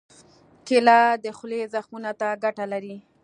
کېله د خولې زخمونو ته ګټه لري.